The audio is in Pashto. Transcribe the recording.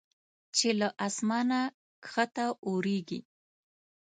چې له اسمانه کښته اوریږي